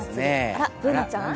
あら、Ｂｏｏｎａちゃん？